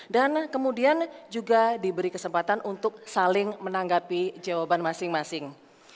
dan kemudian juga diberi kesempatan untuk saling menanggapi jawaban masing masing